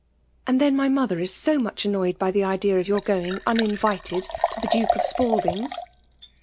" And then my mother is so much annoyed by the idea of your going uninvited to the Duke of Spalding's."